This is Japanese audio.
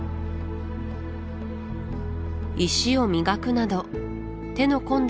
石を磨くなど手の込んだ